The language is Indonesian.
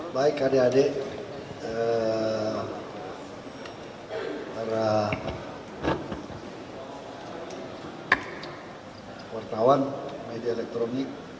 baik adik adik para wartawan media elektronik